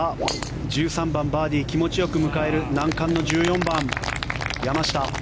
１３番、バーディー気持ちよく迎える難関の１４番山下。